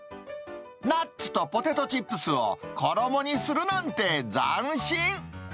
ナッツとポテトチップスを衣にするなんて、斬新。